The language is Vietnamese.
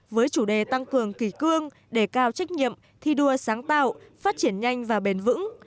với chủ đề tăng cường kỷ cương đề cao trách nhiệm thi đua sáng tạo phát triển nhanh và bền vững